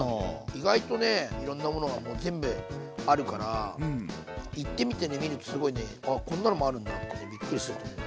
意外とねいろんなものがもう全部あるから行ってみてね見るとすごいねあこんなのもあるんだってびっくりすると思う。